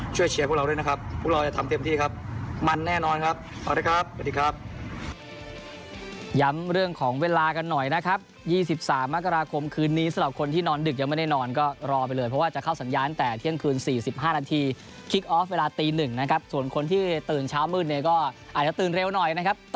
ช่วยเชียร์พวกเราด้วยนะครับพวกเราจะทำเต็มที่ครับ